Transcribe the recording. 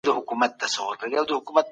د تاريخ مطالعه موږ ته لاره روښانه کوي.